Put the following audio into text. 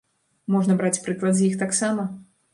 Можна браць прыклад з іх таксама.